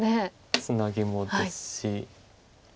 ツナギもですし。